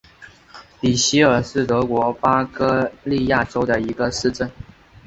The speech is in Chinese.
比希尔是德国巴伐利亚州的一个市镇。